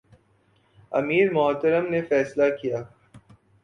امیر محترم نے فیصلہ کیا